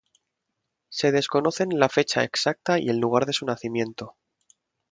Se desconocen la fecha exacta y el lugar de su nacimiento.